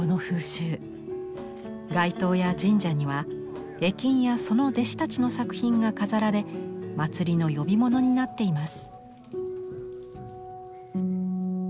街頭や神社には絵金やその弟子たちの作品が飾られ祭りの呼び物になっています。